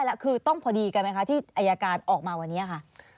แล้วคือต้องพอดีกันไหมคะที่อายการออกมาวันนี้ค่ะ